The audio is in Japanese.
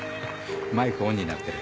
マイクオンになってる。